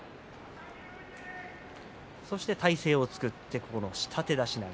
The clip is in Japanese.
そして体勢を作って下手出し投げ。